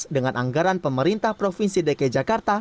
dengan anggaran pemerintah provinsi dki jakarta